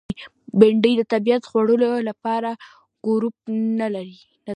بېنډۍ د طبیعي خوړو له ګروپ نه ده